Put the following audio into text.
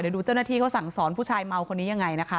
เดี๋ยวดูเจ้าหน้าที่เขาสั่งสอนผู้ชายเมาคนนี้ยังไงนะคะ